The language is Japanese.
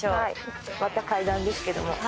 また階段ですけども。